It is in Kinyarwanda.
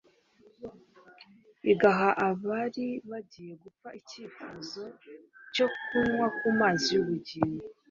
igaha abari bagiye gupfa icyifuzo cyo kunywa ku mazi y'ubugingo.